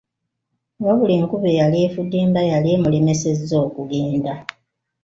Wabula enkuba eyali efudemba yali emulemeseza okugenda.